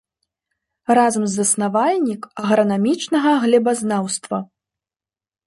Разам з заснавальнік агранамічнага глебазнаўства.